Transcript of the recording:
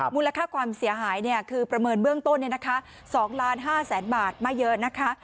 มูลค่าความเสียหายคือประเมินเบื้องต้น๒๕๐๐๐๐บาทไม่เยอะนะคะ